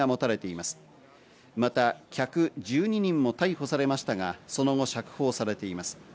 また客１２人も逮捕されましたが、その後、釈放されています。